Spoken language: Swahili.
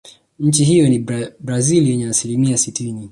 Nchi hiyo ni Blazil yenye asilimia sitini